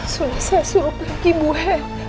sudah saya suruh pergi buat